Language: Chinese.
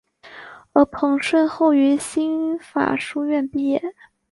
而彭顺后于新法书院毕业。